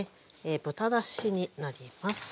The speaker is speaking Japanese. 豚だしになります。